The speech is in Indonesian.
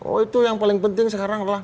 oh itu yang paling penting sekarang adalah